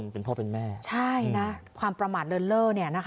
เป็นพ่อเป็นแม่